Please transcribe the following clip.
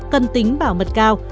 cần tính bảo mật cao